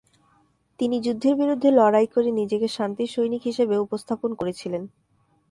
তিনি যুদ্ধের বিরুদ্ধে লড়াই করে নিজেকে "শান্তির সৈনিক" হিসাবে উপস্থাপন করেছিলেন।